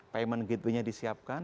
payment gitu nya disiapkan